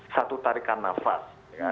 satu tarikan nafas